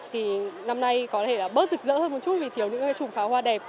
thì năm nay có thể là bớt rực rỡ hơn một chút vì thiếu những chùm pháo hoa đẹp